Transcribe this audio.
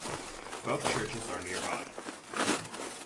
Both churches are nearby.